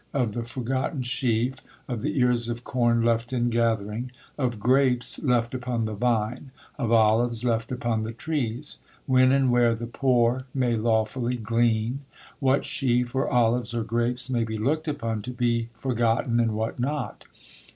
Of the forgotten sheaf. Of the ears of corn left in gathering. Of grapes left upon the vine. Of olives left upon the trees. When and where the poor may lawfully glean. What sheaf, or olives, or grapes, may be looked upon to be forgotten, and what not.